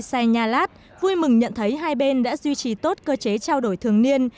sai nha lát vui mừng nhận thấy hai bên đã duy trì tốt cơ chế trao đổi thường niên